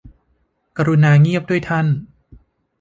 กรุณาเงียบด้วยท่าน